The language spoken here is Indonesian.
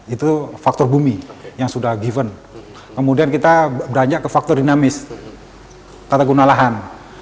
itu faktor bumi yang sudah given kemudian kita beranjak ke faktor dinamis tata guna lahan